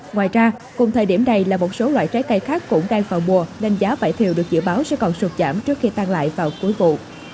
ngoài ra cùng thời điểm này là một số loại trái cây khác cũng đang vào mùa nên giá vải thiều được dự báo sẽ còn sụt giảm trước khi tan lại vào cuối vụ